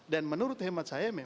dan menurut hemat saya memang